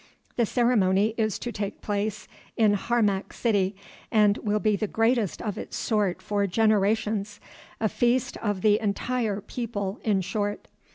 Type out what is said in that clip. The ceremony is to take place in Harmac City, and will be the greatest of its sort for generations, a feast of the entire people in short.